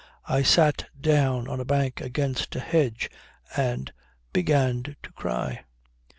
I sat down on a bank against a hedge and began to cry."